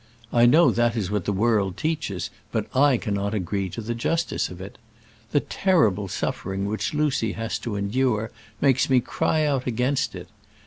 I know that is what the world teaches, but I cannot agree to the justice of it. The terrible suffering which Lucy has to endure makes me cry out against it.